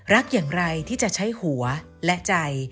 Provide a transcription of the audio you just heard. รักอย่างไรที่จะใช้หัวและใจ